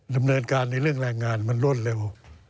ดำเนินการในเรื่องแรงงานมันรวดเร็ว